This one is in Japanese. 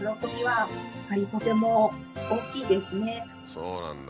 そうなんだ。